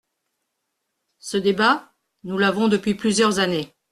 Ce débat, nous l’avons depuis plusieurs années.